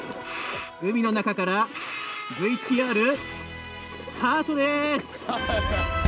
海の中からＶＴＲスタートです！